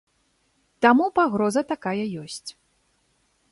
Таму пагроза такая ёсць.